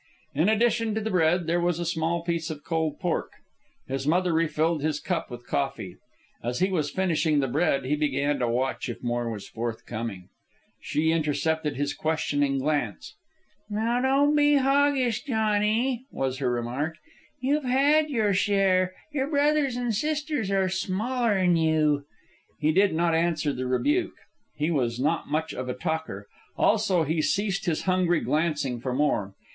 In addition to the bread, there was a small piece of cold pork. His mother refilled his cup with coffee. As he was finishing the bread, he began to watch if more was forthcoming. She intercepted his questioning glance. "Now, don't be hoggish, Johnny," was her comment. "You've had your share. Your brothers an' sisters are smaller'n you." He did not answer the rebuke. He was not much of a talker. Also, he ceased his hungry glancing for more.